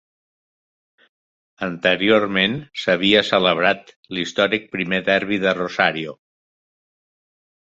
Anteriorment, s'havia celebrat l'històric primer derbi de Rosario.